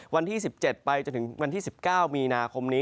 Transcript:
วันที่๑๗ไปจนถึงวันที่๑๙มีนาคมนี้